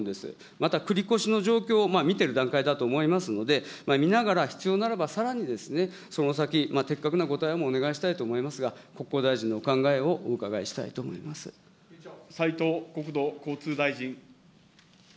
また繰り越しの状況を見てる段階だと思いますんで、見ながら必要ならば、さらにその先、的確なご対応もお願いしたいと思いますが、国交大臣のお考えをお伺いしたい斉藤国土交通大臣。